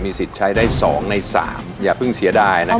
มีความรู้สึกว่ามีความรู้สึกว่ามีความรู้สึกว่า